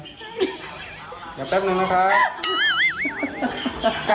เดี๋ยวแป๊บหนึ่งนะคะ